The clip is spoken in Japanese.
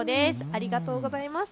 ありがとうございます。